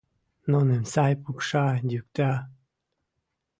Нуным сай пукша-йӱкта